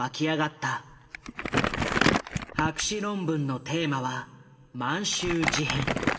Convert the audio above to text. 博士論文のテーマは満州事変。